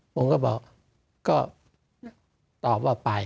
ผมก็บอกก็ตอบว่าไป